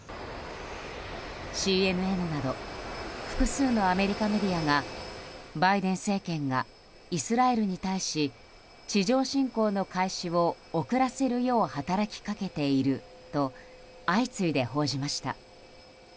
ＣＮＮなど複数のアメリカメディアがバイデン政権がイスラエルに対し地上侵攻の開始を遅らせるよう働きかけていると相次いで報じました。